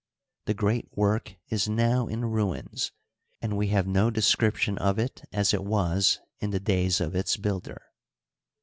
The g^eat work is now in ruins, and we have no description of it as it was in the days of its builder.